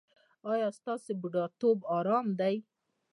ایا ستاسو بوډاتوب ارام دی؟